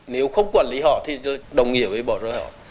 nếu không quản lý họ thì đồng nghĩa với bỏ rơi họ